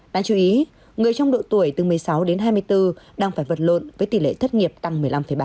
đáng chú ý người trong độ tuổi từ một mươi sáu đến hai mươi bốn đang phải vật lộn với tỷ lệ thất nghiệp tăng một mươi năm ba